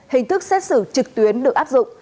hình thức xét xử trực tuyến được áp dụng